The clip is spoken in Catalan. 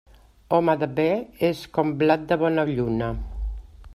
Home de bé és com blat de bona lluna.